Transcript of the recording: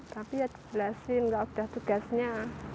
tapi ya diberi belasin kalau sudah tugasnya